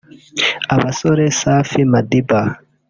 abasore Safi Madiba